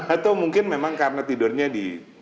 atau mungkin memang karena tidurnya di